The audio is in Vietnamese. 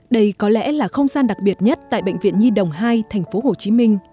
đây có lẽ là không gian đặc biệt nhất tại bệnh viện nhi đồng hai tp hcm